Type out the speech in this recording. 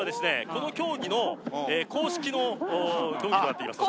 この競技の公式の胴着となっています